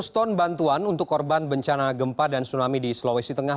seratus ton bantuan untuk korban bencana gempa dan tsunami di sulawesi tengah